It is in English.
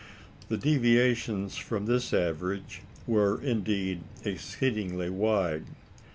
The deviations from this average were, indeed, exceedingly wide.